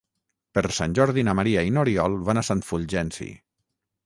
Per Sant Jordi na Maria i n'Oriol van a Sant Fulgenci.